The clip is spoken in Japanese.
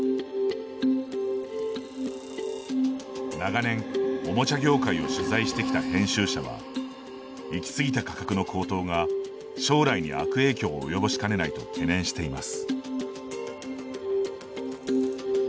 長年おもちゃ業界を取材してきた編集者は行き過ぎた価格の高騰が将来に悪影響を及ぼしかねないと懸念しています。